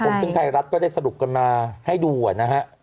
ซึ่งไทยรัฐก็ได้สรุปกันมาให้ดูนะฮะ